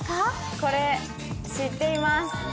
これ、知っています。